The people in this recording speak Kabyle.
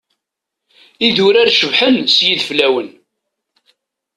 Idurar cebḥen s yideflawen.